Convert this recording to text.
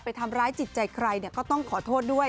ทำร้ายจิตใจใครก็ต้องขอโทษด้วย